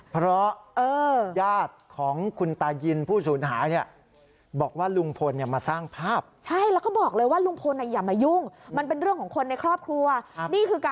เพราะญาติของคุณตายินผู้สูญหาเนี่ย